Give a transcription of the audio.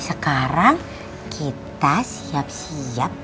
sekarang kita siap siap